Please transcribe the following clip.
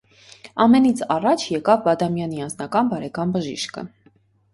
Ամենից առաջ եկավ Բադամյանի անձնական բարեկամ բժիշկը: